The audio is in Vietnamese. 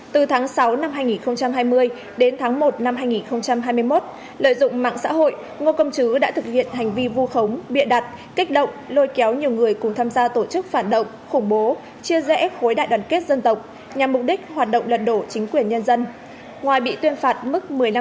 từ tháng sáu năm hai nghìn hai mươi đến tháng một năm hai nghìn hai mươi một lợi dụng mạng xã hội ngô công chứ đã thực hiện hành vi vu khống bịa đặt kích động lôi kéo nhiều người cùng tham gia tổ chức phản động khủng bố chia rẽ khối đại đoàn kết dân tộc nhằm mục đích hoạt động lật đổ chính quyền nhân dân